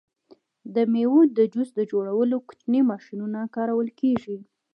د میوو د جوس جوړولو کوچنۍ ماشینونه کارول کیږي.